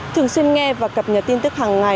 thường xuyên nghe và cập nhật tin tức hàng ngày